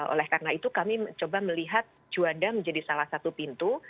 oleh karena itu kami coba melihat juanda menjadi salah satu pintu